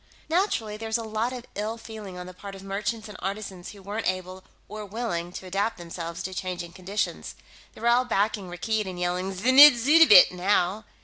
Naturally, there's a lot of ill feeling on the part of merchants and artisans who weren't able or willing to adapt themselves to changing conditions; they're all backing Rakkeed and yelling 'Znidd suddabit!' now.